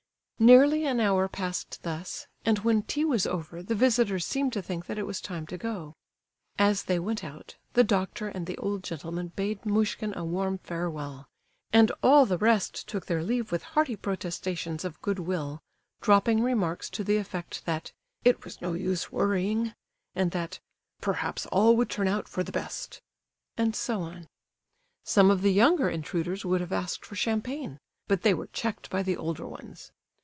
Nearly an hour passed thus, and when tea was over the visitors seemed to think that it was time to go. As they went out, the doctor and the old gentleman bade Muishkin a warm farewell, and all the rest took their leave with hearty protestations of good will, dropping remarks to the effect that "it was no use worrying," and that "perhaps all would turn out for the best," and so on. Some of the younger intruders would have asked for champagne, but they were checked by the older ones.